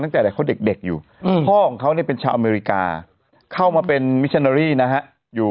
เนี้ยเนี้ยปีปีหายอ้อนี่อ่ะพี่หาย